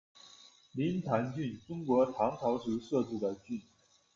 临潭郡，中国唐朝时设置的郡。